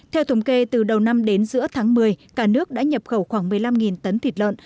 theo thống kê từ đầu năm đến giữa tháng một mươi cả nước đã nhập khẩu khoảng một mươi năm tấn thịt lợn